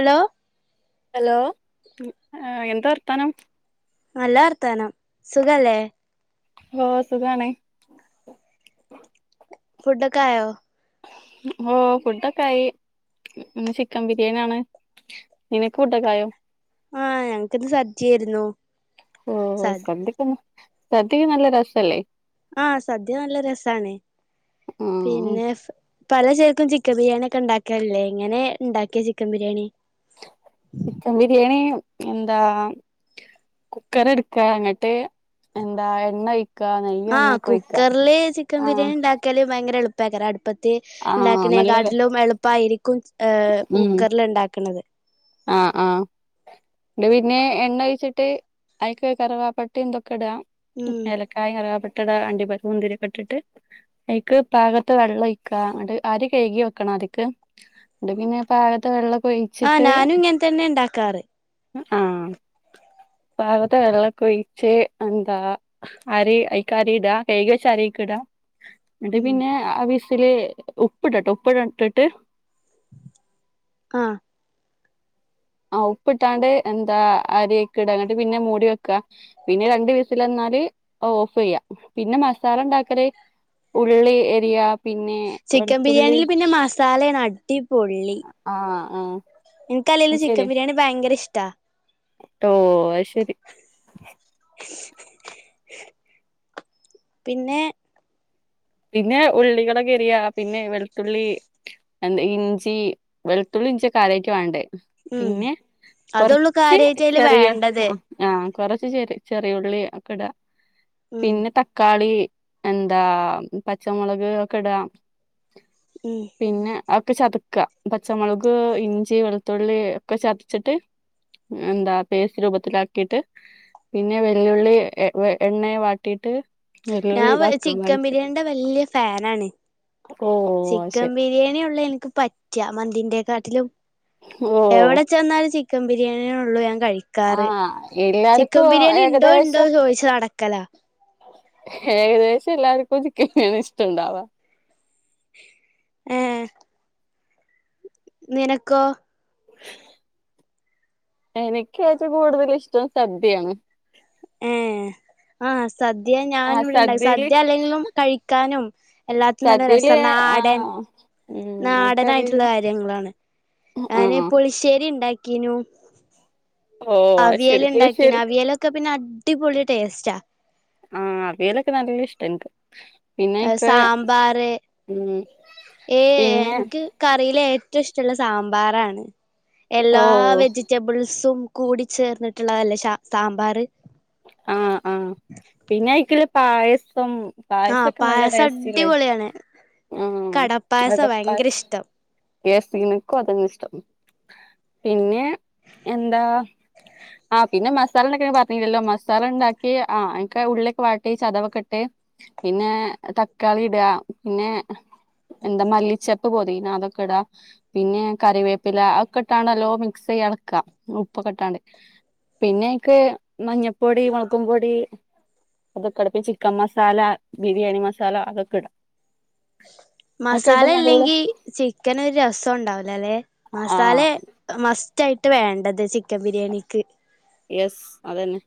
Hello? Hello ആഹ് എന്താ വർത്താനം നല്ല വർത്തനം സുഖല്ലേ ഓഹ് സുഖാണ് ഫുടൊക്കെ ആയോ ഓഹ് ഫുഡൊക്കെ ആയി ഇന്ന് ചിക്കൻ ബിരിയാണി ആണ് നിനക്ക് ഫുടൊക്കായോ ആഹ് ഞങ്ങക്കിന്ന് സദ്യയായിരുന്നു ഓഹ് സ സന്തിക്കുന്നു സദ്യക്ക് നല്ല രസല്ലേ ആഹ് സദ്യ നല്ല രസാണ് ഉം പിന്നെ പല ചേൽക്കും ചിക്കൻ ബിരിയാണിയ ഒക്കെ ഉണ്ടാക്കാറില്ലേ എങ്ങനെണ്ടാക്കിയ ചിക്കൻ ബിരിയാണി ചിക്കൻ ബിരിയാണി എന്താ കുക്കറ്ട്ക്കാ അങ്ങട്ട് എന്താ എണ്ണ ഒഴി ആഹ് കുക്കർല് ചിക്കൻ ആഹ് ബിരിയാണിണ്ടാക്ക ക്കല് ഭയങ്കര എളുപ്പയ്ക്കാരം അടുപ്പത്ത് ആഹ് ഉണ്ടാക്കണേ നല്ലത് കാട്ടിലും എളുപ്പായിരിക്കും ഏഹ് ഉം കുക്കർല്ണ്ടാക്കണത് ആഹ് ആഹ് ന്നിട്ട് പിന്നെ എണ്ണ ഒഴിച്ചിട്ട് അയ്ക്ക് കറവാപട്ടിംതൊക്കെ ഇടാ ഉം ഏലക്ക കായിം കറ്കപ്പട്ടടാ അണ്ടിപര്പ്പും മുന്തിരിയൊക്കെട്ടിട്ട് അയിക്ക് പാകത്ത വെള്ളൊഴിക്കാ ഇന്നട്ട് ആരി കഴ്കി വെക്കണം ആതിക്ക് ഇന്നട്ട് പിന്നെ പാകത്തെ വെള്ളക്കൊയി ആഹ് നാനും ഇങ്ങൻ തന്നെണ്ടാക്കാറ് ആഹ് പാകത്തെ വെള്ളക്കൊഴിച്ച് എന്താ അരി അയിക്കരീടാ കൈകിവച്ച അരിയ്ക്ക്ടാ ഇന്നട്ട് ഉം പിന്നെ ആ വിസില് ഉപ്പിടട്ടോ ഉപ്പിടട്ടിട്ട് ആഹ് ആഹ് ഉപ്പ്ട്ടാണ്ട് എന്താ അരി അയിക്ക്ടാ ഇങ്ങട്ട് പിന്നെ മൂടി വെക്കാ പിന്നെ രണ്ട് വിസലന്നാല് അഅ് ഓഫയ്യാ പിന്നെ മസാലണ്ടാക്കല് ഉള്ളി എരിയാ പിന്നെ വെൾത്തുള്ളി സാലേണ് അടി പൊള്ളി ആഹ് ആഹ് ന്നാ ഇൻക്കല്ലേലും ചിക്കൻ ശരി ബിരിയാണി ഭയങ്കര ഇഷ്ടാ ട്ടോ അഹ്ശരി പിന്നെ പിന്നെ ഉള്ളികളൊക്കെ എരിയാ പിന്നെ വെൾത്തുള്ളി എന്ത ഇഞ്ചി വെൾത്തുള്ളിം ഇഞ്ചിയാ കാര്യായിട്ട് വാണ്ടേ ഉം പിന്നെ അതൊള്ളൂ കൊർച്ച് കാര്യായിട്ട് അയില് ചെറിയ വേണ്ടത് ആഹ് ആഹ് കൊറച്ച് ചെറി ചെറിയുള്ളി ഒക്കെ ഇടാ ഉം പിന്നെ തക്കാളി എന്താ പച്ചമുളക്ക് ഒക്കെടാ ഉം പിന്നെ അഒക്കെ ചതക്കാ പച്ചമുളക് ഇഞ്ചി വെളുത്തുള്ളി ഒക്കെ ചതച്ചിട്ട് എന്താ പേസ്റ്റ് രൂപത്തിലാക്കിട്ട് പിന്നെ വല്ല്യ ഉള്ളി എ വെ എണ്ണേ വാട്ടീട്ട് വല്ല്യ ഉള്ളി ഇതാക്കാ വയറ്റാ ഇന്റെ വല്ല്യ ഫാനാണ് ഓഹ് അത് ചിക്കൻ ശരി. ബിരിയേനി ഒള്ളു ഇൻക്ക് പ റ്റാ മന്തിന്റേക്കാട്ടിലും ഓഹ് എവിടെ ചെന്നാലും ചിക്കൻ ബിരിയാണിനി ഒള്ളൂ ഞാൻ കഴി ക്കാറ് ആഹ് എല്ലാർക്കും ചിക്കം ബിരിയാണി ഇണ്ടോ ഇണ്ടോ ഏകദേശം ചോയിച്ച് നടക്കലാ ഏകദേശം എല്ലാർക്കും ചിക്കം ബിരിയാണിയാ ഇഷ്ടണ്ടാവാ ഏ നിനക്കോ എനിക്ക് ഏറ്റവും കൂടുതല് ഇഷ്ടം സദ്യെണ് ഏഹ് ആഹ് സദ്യ ഞാന് ആഹ് ഇവിടെണ്ടാക്കി സദ്യയില് സദ്യ അല്ലെങ്കിലും കഴിക്കാനും എല്ലാത്തിനും നല്ല സദ്യയില് രസാ നാടൻ ആഹ് ഉം എനിക്കറിയില്ല നാടനായിട്ട്ള്ള കാര്യങ്ങളാണ് ഞാന് ആഹ് പുളിശ്ശേരി ണ്ടാക്കീനു ഓഹ് അത് അവിയല് ശരി ഇണ്ടാക്കീണ് പുളിശ്ശേരി അവിയലൊക്കെ പിന്നെ അടിപൊളി ടേസ്റ്റാ ആഹ് അവിയലൊക്കെ നല്ലഷ്ടാ ഇൻക്ക് അത് സാമ്പാറ് ഈ പിന്നെ എൻക്ക് കറീല് ഏറ്റൊഷ്ടള്ളത് സാമ്പാറാണ് എല്ലാ ഓഹ് വെജി റ്റബിൾസും കൂടി ചേർന്നിട്ട്ള്ളതല്ലേ ഷ സാമ്പാറ് ആഹ് ആഹ് പിന്നയ്ക്ക്ള്ള പായസം ആ പായസൊക്കെ നല്ല പായസം ടേസ്റ്റ്ല്ലേ അടിപൊളിയാണ് ആഹ് കടപ്പായസം ഭയങ്കര അടപ്പായസം ഇഷ്ടം യേസ് ഇൻക്കും അതെന്നെഇഷ്ടം പിന്നെ എന്താ ആഹ് പിന്നെ മസാല ഇണ്ടാക്ക്ണ പർഞ്ഞില്ലല്ലോ മസ് സാല ണ്ടാക്കി ആ അയ്ക്കാ ഉള്ളിയൊക്കെ വാട്ടി ചതവൊക്കെട്ട് പിന്നെ തക്കാളിടാ പിന്നെ എന്താ മല്ലിച്ചെപ്പ് പൊതീന അതൊക്കെടാ പിന്നെ കറിവേപ്പില അഒക്കെ ഇട്ടാണ്ട് നല്ലോം മിക്സെയ്യെളക്കാ ഉപ്പൊക്കെ ഇട്ടാണ്ട് പിന്നയ്ക്ക് മഞ്ഞപ്പൊടി മൊൾകും പൊടി അതൊക്കെടും ചിക്കൻ മസാല ബിരിയാണി മസാല അതൊക്കെടും മസാല നല്ല ഇല്ലെങ്കി ചിക്കനൊരു രസണ്ടാവൂലലെ ആ മസാലെ മസ്റ്റായിട്ട് വേണ്ടത് ചിക്കൻ ബിരിയാണിക്ക് യെസ് അതെന്നെ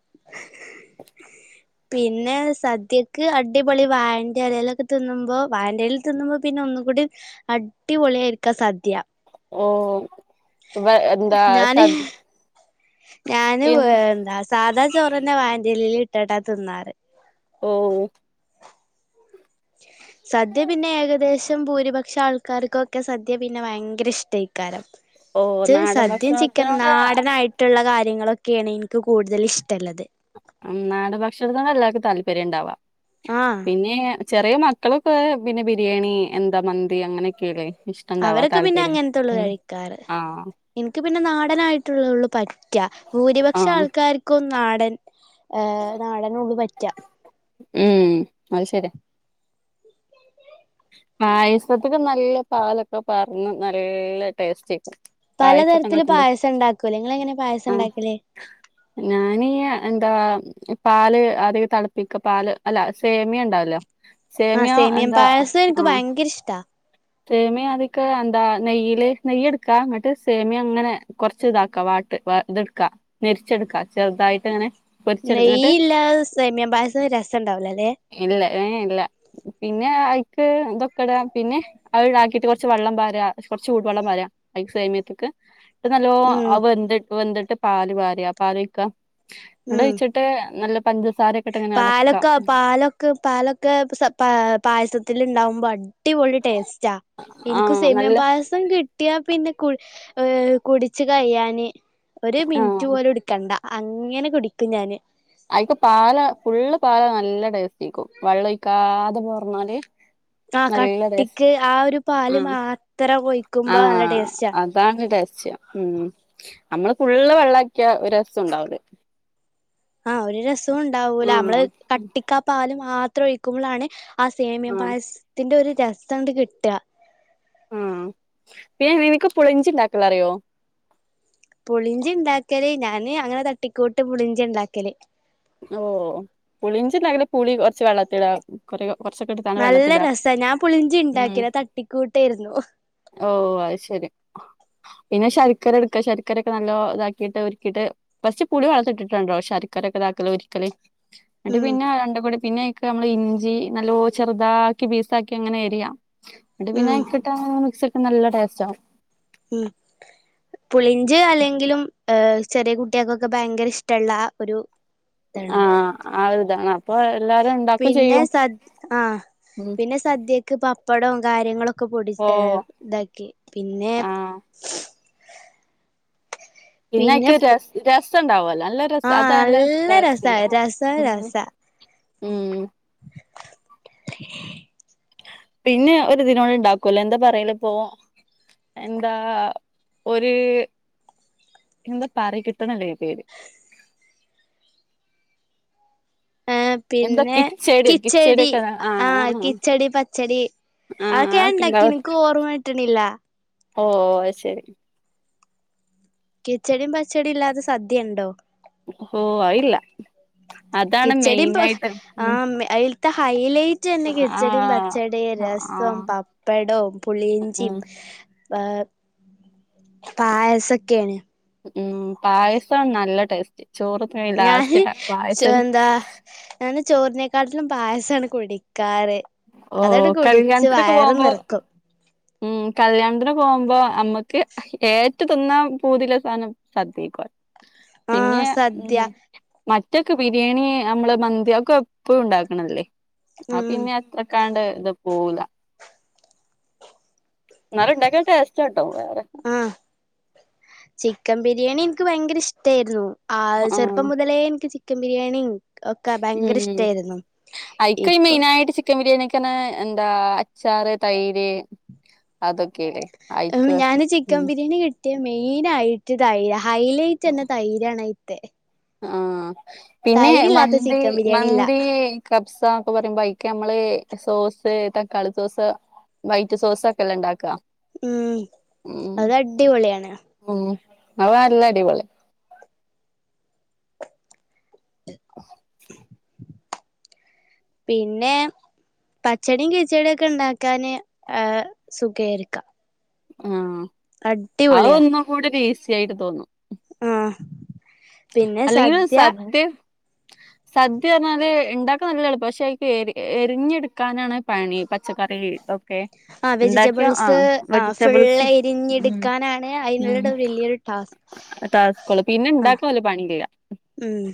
[inaudible] [unintelligible] പിന്നെ സദ്യക്ക് അടിപൊളി വായന്റെലേലൊക്കെ തിന്നുമ്പോ വായന്റെല തിന്നുമ്പോ പിന്നെ ഒന്നുകൂടി അടിപൊളിയായിരിക്കാ സദ്യ ഓ വ എന്താ സ ഞാന് എ സാദാ ചോറെന്നെ വായന്റെലേല്ട്ട്ട്ടാ തിന്നാറ് ഓ സദ്യ പിന്നെ ഏകദേശം ഭൂരിപക്ഷം ആൾക്കാര്ക്കൊക്കെ സദ്യ പിന്നെ ഭയങ്കര ഇഷ്ടേ ക്കാരം ഓ ച്ച് നാടൻ സദ്യ ചിക്കനും ഭക്ഷണത്തിനോട് നാടനായി റ്റുള്ള കാര്യങ്ങളൊക്കെണ് ഇൻക്ക് കൂടുതലിഷ്ടള്ളത് നാടൻ ഭക്ഷണത്തിനാ എല്ലാർക്കും താല്പര്യംണ്ടാവാ ആഹ് പിന്നെ ചെറിയ മക്കളൊക്കെ പിന്നെ ബിരിയാണി എന്താ മന്തി അങ്ങനെയൊക്കെയല്ലേ ഇഷ് അവരൊക്കെ പിന്നെ അങ്ങൻത്തൊള്ളു കഴിക്കാറ് ആഹ് ഇൻക്ക് പിന്നെ നാടനായിട്ട്ള്ളതൊള്ളു പറ്റാ ഭൂരിപക്ഷം ആഹ് ആൾക്കാർക്കും നാടൻ ഏഹ് നാടനൊള്ളു പറ്റാ ഉം അത് ശെരിയ പായസത്ത്ക്ക്‌ നല്ല പാലൊക്കെ പാർന്ന് നല്ല ടേസ്റ്റേക്കും പായസൊക്കെ പലതരത്തില് ഇണ്ടാക്കുമ്പള് പായസണ്ടാക്കൂലെ ങ്ങളെങ്ങനെ പായസണ്ടാക്കല് ഞാന് എന്താ പാൽ അധിക തിളപ്പിക്ക പാൽ അല്ല സേമിയ ഉണ്ടാവല്ലോ സേമിയോ എന്താ അനക്ക് ആഹ് ഭയങ്കര ഇഷ്ട സേമിയ അതിക്കെ എന്താ നെയ്യിൽ നെയ്യി എടുക്കാ എന്നിട്ട് സേമിയ അങ്ങനെ കുറച്ച് ഇതാക്കാ വാ ഇതെടുക്കാ നരിച്ചെടുക്ക ചെറുതായിട്ട് അങ്ങനെ നെയ്യ് ഇല്ലാതെ സേമിയ പായസം രസണ്ടാവലോല്ലെ ഇല്ല ഏ ഇല്ല പിന്നെ ആയ്ക്ക് ഇതൊക്കെ ഇട പിന്നെ അത് ഇതാക്കിയിട്ട് കുറച്ച് വെള്ളം ബാര കുറച്ച് ചൂടു വെള്ളം വാരാ സെമിയത്തേക്ക് ന്നിട്ട് നല്ലോ ഉം അഹ് വെന്തി വെന്തിട്ട് പാല് വാര പാല് ഒഴിക്ക എന്നിട്ട് ഉം ഒഴിചി ട്ടെ നല്ല പഞ്ചസാരൊക്കെട്ട് ഇങ്ങനെ അളക്കാ ക്ക് പാലൊക്കെ പായസത്തി ഉണ്ടാവുമ്പോ അ ടിപൊളി ടേസ്റ്റാ എനിക്കും ആഹ് സെമിയ നല്ല പായ സം കിട്ടിയാ പിന്നെ കു ഏഹ് കുടിച്ച് കഴിയാന് ഒരു മിനിറ്റ് ആഹ് പോലും എടുക്കണ്ട അങ്ങനെ കുടിക്കും ഞാൻ അതിപ്പോ പാൽ ഫുള്ള് പാൽ നല്ല ടേസ്റ്റകും വെള്ളം ഒഴിക്കാതെ പോറഞ്ഞാല് അഹ് കട്ടിക്ക് ആ ഒരു പാല് ഉം മാത്രം ഒഴികുമ്പോ നല്ല ആഹ് ടെസ്റ്റ അതാണ് ടേസ്റ്റ് ഉം നമ്മള് ഫുള്ള് വെള്ളക്കിയ ഒരു രസ ഉണ്ടാവൂല അഹ് ഒരു രസവും ഉണ്ടാവൂല നമ്മള് ആഹ് കട്ടിക്കാപാല് മാത്രം ഒഴിക്കുമ്പോളാ ണ് ആ സേമിയ ആഹ് പായസത്തിന്റെ ഒരു രസം അണ്ട് കിട്ട അഹ് പി നിനക്ക് പുളിഞ്ചി ഉണ്ടാക്കാലറിയോ പുളിഞ്ചി ഇണ്ടാക്കല് ഞാന് അങ്ങനെ തട്ടിക്കോട്ട് പൊളിഞ്ചി ഇണ്ടാക്കല് ഓ പുളിഞ്ചിണ്ടാക്കല് പുളി കുറച്ച് വെള്ളത്തിട കൊറ കുറച്ചൊക്കെ എടു നല്ല രസ ഞാൻ പുളിഞ്ചി ഉണ്ടാക്കി അത് തട്ടിക്കൂട്ടയിരുന്നു ഓഹ് അഹ് ശരി പിന്നെ ശർക്കര എടുക്ക ശർക്കരയൊക്കെ നല്ലോ ഇതാക്കിട്ട് ഉരുക്കിയിട്ട് ഫസ്റ്റ് പുളി വളർത്തിട്ടിട്ടുണ്ടോ ശർക്കരഒക്കെ ഇത്താക്കല് ഉരുക്കൽ എന്നിട്ട് ഉം പിന്നെ രണ്ട കൂടി പിന്നെ നമ്മള് ഇഞ്ചി നല്ലോ ചെറുതാക്കി പീസാക്കി അങ്ങനെ അരിയാ എന്നിട്ട് പിന്നെ ഉം അയ്ക്ക് [unintelligible] നല്ല ടാസ്റ്റാ ഉം പുളിഞ്ച് അല്ലെങ്കിലും ചെറിയ കുട്ടികൾക്കൊക്കെ ഭയങ്കര ഇഷ്ടള്ള ഒരു ഇതാണ് ആഹ് ആഹ് ഇതാണ് അപ്പൊ എല്ലാരും ഉണ്ടാക്കും പിന്നെ ചെയ്യും സദ് ആഹ് ഉം പിന്നെ സദ്യക്ക് പപ്പടവും കാര്യങ്ങളൊക്കെ പൊടി ഓ ഇതാക്കി പിന്നെ ആഹ് പിന്നെ പിന്നെക്ക് ര രസം ഉണ്ടാവല്ലോ നല്ല രസ ആഹ് അത് നല്ല രസ ടേസ്റ്റല്ല രസ രസ പിന്നെ ഒരു ദിനോള ഉണ്ടാക്കൂല്ലോ എന്താ പറയലപ്പോ എന്താ ഒരു എന്താ പറ കിട്ടണല്ല പേര് ഏഹ് എന്താ പിന്നെ കിച്ചേടിയോ കിച്ചടി കിച്ചേടിയൊക്കെ ആഹ് കിച്ചടി പച്ചടി ആഹ് അതൊക്കെ ഞാൻ ഉണ്ടാക്കി ഇണ്ടാവും എനിക്ക് ഓർമ്മ കിട്ടണില്ല ഓ അത് ശരി കിച്ചടിയും പച്ചടിയും ഇല്ലാതെ സദ്യുണ്ടോ ഓഹ് കിച്ചടിയും പ മെയിനായിട്ട് ഉം ആഹ് അതിൽത്ത ഹൈല കിച്ചടിയും ആഹ് പച്ചടിയും രസം ആഹ് പപ്പടവും ഉം പുളിഞ്ചിയും ആഹ് പായസൊക്കെയാണ് ഉം പായസം നല്ല ടേസ്റ്റ് ചോറ് ലാസ്റ്റ് ഞാന് പായസം എന്താ ഞാന് ചോറിനേക്കാട്ടിലും പായസാണ് കുടിക്കാറ് ഓ അതങ്ങട്ട് കുടിച്ച് കല്യാണത്തിനൊക്കെ വയറ് പോകുമ്പോ നിറക്കും ഉം കല്യാണത്തിന് പോകുമ്പോ നമ്മുക്ക് ഏറ്റവും തിന്നാൻ പൂതിയുള്ള സാധനം സദ്യയൊക്കെ പിന്നെ ആഹ് സദ്യ ഉം മറ്റൊക്കെ ബിരിയാണി നമ്മള് മന്തിയൊക്കെ എപ്പളും ഉണ്ടാക്കണല്ലേ ആത് ഉം പിന്നെ അത്രക്കാണ്ട് ഇത് പോവൂല എന്നാലും ഉണ്ടാക്കിയ ടേസ്റ്റാട്ടോ വേറെ ആഹ് ചിക്കൻ ബിരിയാണി എനിക്ക് ഭയങ്കര ഇഷ്ടായിരുന്നു ആഹ് ചെറുപ്പം മുതലേ എനിക്ക് ചി ക്കൻ ബിരിയാണിയും ഒക്കെ ഭയങ്കര ഉം ഇഷ്ടായിരുന്നു അയിക്ക് ഇപ്പൊ മെയിനായിട്ട് ചിക്കൻ ബിരിയാണിക്കന്നെ എന്താ അച്ചാറ് തൈര് അതൊക്കെയല്ലേ ഞാന് ചിക്കൻ ബിരിയാണി കിട്ടിയാ മെയിൻ ആയിട്ട് തൈര് ഹൈലൈറ്റ് തന്നെ തൈരാണ് [unintelligible] ആഹ് പിന്നെ തൈരില്ലാത്ത മന്തി ചിക്കൻ ബിരിയാണി ഇല്ല മന്തി കബ്സ ഒക്കെ പറയുമ്പോ അയിക്ക് നമ്മള് സോസ് തക്കാളി സോസ് വൈറ്റ് സോസൊക്കെ അല്ലെ ഉണ്ടാക്കുവാ ഉം അത് അടിപൊളിയാണ് ഉം അത് നല്ല അടിപൊളി പിന്നെ പച്ചടിയും കിച്ചടിയൊക്കെ ഉണ്ടാക്കാന് ആഹ് സുഖാരിക്കാം ആഹ് അതൊന്നും കൂടിയൊരു ഈസി ആയിട്ട് തോന്നും ആഹ് അല്ലെങ്കിലും സദ്യ സദ്യ പറഞ്ഞാല് ഉണ്ടാക്കാൻ നല്ല എളുപ്പവാ പക്ഷെ അയിക്ക് എ അരിഞ്ഞെടുക്കാനാണ് പണി പച്ചക്കറി ഒ ക്കെ ആ ഉണ്ടാക്കിയ വെജിറ്റബിൾസ് ആഹ് ആ വെജിറ്റബിൾസ് ഫുള്ള് ഉം എരിഞ്ഞെടുക്കാനാണ് ഉം അതിനുള്ള വലിയൊരു ടാസ്ക് ടാസ്‌കുള്ളൂ പിന്നെ ആഹ് ഇണ്ടാക്കാൻ വലിയ പണിയില്ല ഉം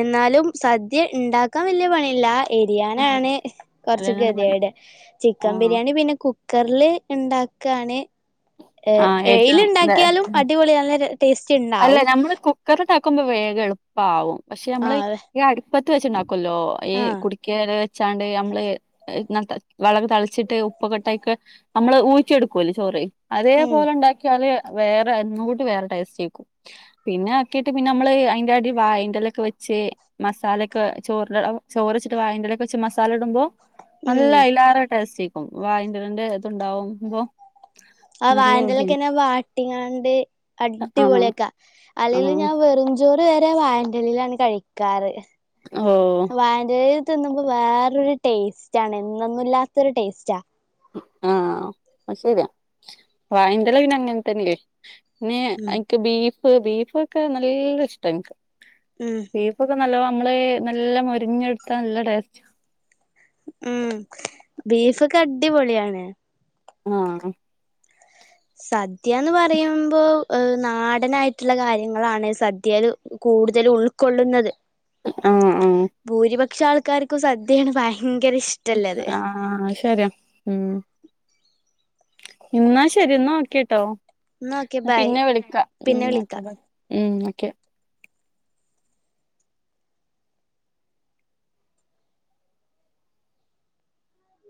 എന്നാലും സദ്യ ഉണ്ടാക്കാൻ വല്ല്യ പണിയില്ല അരിയാൻ ഉം ആണ് കുറച്ച് അതന്നെയാണ് പണി ഗതികേട് ചിക്കൻ ആഹ് ബിരിയാണി പിന്നെ കു ക്കറില് ഉണ്ടാക്കാണ് ആഹ് ഏയില് ഏറ്റവും ഉണ്ടാക്കിയാലും അടിപൊളി നല്ല ര ടേസ്റ്റ് ഉണ്ട് അല്ലെ ഞമ്മള് കുക്കറ് ഇതാക്കുമ്പോ വേഗം എളുപ്പം ആവും പക്ഷെ നമ്മള് ആഹ് ഈ അടു പ്പത്ത് വെച്ചുണ്ടാക്കുവല്ലോ ഈ ആഹ് കുടിക്കാരെ ച്ചാണ്ട് നമ്മള് വെള്ളവൊക്കെ തളിച്ചിട്ട് ഉപ്പൊക്കെ ഇട്ടായിക്ക്‌ നമ്മള് ഊറ്റിയെടുക്കുവല്ലോ ചോറ് ഉം അതേപോലെ ഓണ്ടാക്കിയാല് വേറെ എന്നോണ്ട് വേറെ ടേസ്റ്റായിരിക്കും പിന്നെ ആക്കിയിട്ട് പിന്നെ നമ്മള് അയിന്റെ അടി വായെന്റാലൊക്കെ വെച്ച് മസാലയൊക്കെ ചോറിന് ചോറ് വച്ചിട്ട് വായന്റെലാക്കെ വെച്ച് മസാല ഇടുമ്പോ ഉം നല്ല ഐലേറെ ടേസ്റ്റാക്കും വായിന്റെ എലേന്റെ ഇതുണ്ടാവുമ്പോ ആഹ് നല്ല വായന്റെ രുചിയായി ഇലക്കെന്നെ വാട്ടിങ്ങാണ്ട് ആഹ് അടിപൊളിയാക്കാം അല്ലേലും ആഹ് ഞാൻ വെറുചോറ് വരെ വായേന്റെ ഇലയിലാണ് കഴിക്കാറ് ഓ വായേന്റെ ഇലേല് തിന്നുമ്പോ വേറൊരു ടേസ്റ്റാണ് എന്നൊന്നുല്ലാത്തരു ടേസ്റ്റാ ആഹ് അത് ശരിയാ വായേന്റെ ഇല പിന്നെ അങ്ങനെ തന്നെയല്ലേ പിന്നെ ഉം ഐക്ക് ബീഫ് ബീഫൊക്കെ നല്ല ഇഷ്ടവാ എനിക്ക് ഉം ബീഫ് ഒക്കെ നല്ലോ നമ്മള് നല്ല മരിഞ്ഞെടുത്താ നല്ല ടേസ്റ്റ്- ഉം ബീഫക്കെ അടിപൊളിയാണ് ആഹ് സദ്യന്ന് പറയുമ്പോ നാടനായിട്ടുള്ള കാര്യങ്ങളാണ് സദ്യല് കൂടുതലും ഉൾക്കൊള്ളുന്നത് ആഹ് ആഹ് ബുരിപക്ഷ ആൾക്കാർക്കും സദ്യയാണ് ഭയങ്കര ഇഷ്- ഉം ആഹ് ആഹ് ശെരിയാ ഉം ഇന്നാ ശെരിന്നാഓക്കെട്ടോ ന്നാ ഓക്കെ ബൈ പിന്നെ വിളിക്കാം ഉം പിന്നെ വിളിക്കാം ഓക്കെ ബൈ ഉം ഓക്കെ